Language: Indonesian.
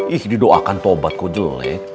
ih didoakan tobat kok jelek